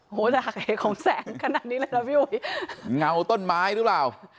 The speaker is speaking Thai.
โอ้โหจากเหตุของแสงขนาดนี้เลยนะพี่อุ๋ยเงาต้นไม้หรือเปล่า